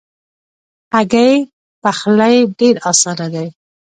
هګۍ پخلی ډېر آسانه دی.